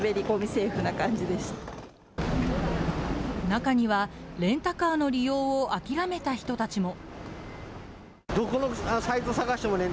中には、レンタカーの利用を諦めた人たちも。